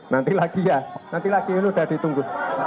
nanti lagi ya nanti lagi ini sudah ditunggu